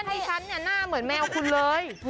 ของเพื่อนที่ฉันหน้าเหมือนแมวคุณเลย